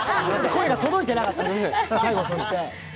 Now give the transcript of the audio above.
声が届いてなかった。